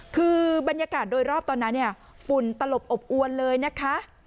คือบรรยากาศโดยรอบตอนนั้นเนี่ยฝุ่นตลบอบอวนเลยนะคะ